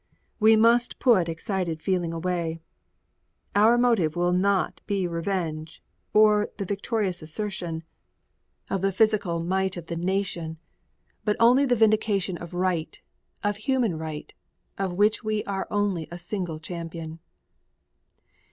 We must put excited feeling away. Our motive will not be revenge or the victorious assertion of the physical might of the nation, but only the vindication of right, of human right, of which we are only a single champion.